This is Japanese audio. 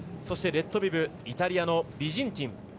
そして、レッドビブイタリアのビジンティン。